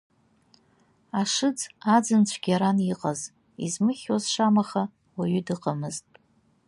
Ашыӡ аӡын цәгьаран иҟаз, измыхьуаз шамаха уаҩы дыҟамызт.